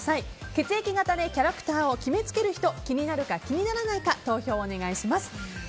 血液型でキャラクターを決めつける人気になるか、気にならないか投票をお願いします。